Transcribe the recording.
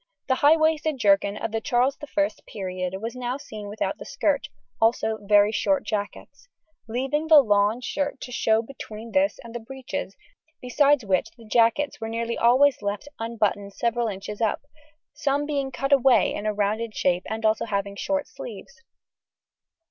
The high waisted jerkins of the Charles I period were now seen without the skirt (as very short jackets), leaving the lawn shirt to show between this and the breeches, besides which the jackets were nearly always left unbuttoned several inches up, some being cut away in a rounded shape and also having short sleeves.